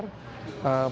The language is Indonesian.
saya banyak belajar